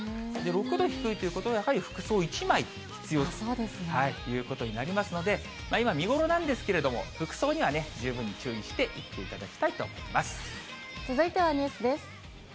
６度低いということは、やはり服装１枚必要ということになりますので、今、見頃なんですけれども、服装には十分に注意して行ってい続いてはニュースです。